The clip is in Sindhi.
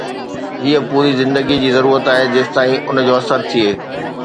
ھيءَ پوري زندگي جي ضرورت آھي جيستائين ان جو اثر ٿئي